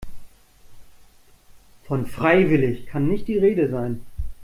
Von freiwillig kann nicht die Rede sein.